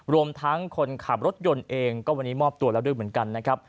รวมทั้งคนขับรถยนต์เองก็วันนี้มอบตัวแล้วด้วยเหมือนกันนะครับ